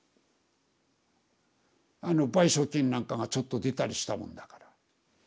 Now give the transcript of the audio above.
賠償金なんかがちょっと出たりしたもんだから。